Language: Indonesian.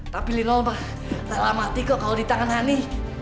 tapi lino mah rela mati kok kalau di tangan ani